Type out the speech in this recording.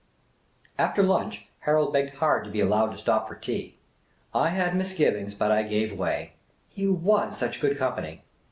After lunch, Harold begged hard to be allowed to stop for tea. I had misgivings, but I gave way — he was such good company.